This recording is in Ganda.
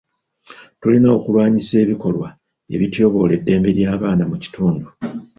Tulina okulwanyisa ebikolwa ebityoboola eddembe ly'abaana mu kitundu.